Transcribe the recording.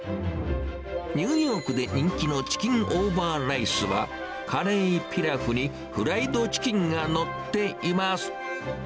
ニューヨークで人気のチキンオーバーライスは、カレーピラフにフライドチキンが載っています。